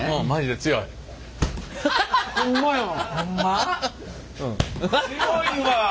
強いわ。